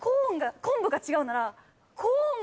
昆布が違うなら。